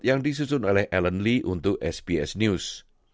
yang disusun oleh alan lee untuk sps news